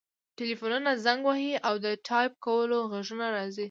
ټیلیفونونه زنګ وهي او د ټایپ کولو غږونه راځي